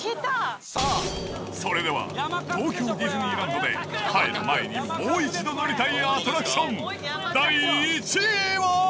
それでは、東京ディズニーランドで帰る前にもう一度乗りたいアトラクション第１位は。